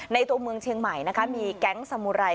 ตัวเมืองเชียงใหม่นะคะมีแก๊งสมุไร